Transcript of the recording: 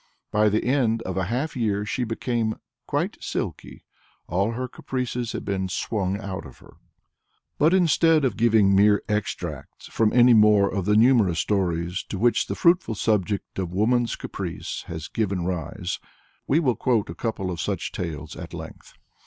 By the end of a half year she became "quite silky" all her caprices had been swung out of her. But instead of giving mere extracts from any more of the numerous stories to which the fruitful subject of woman's caprice has given rise, we will quote a couple of such tales at length.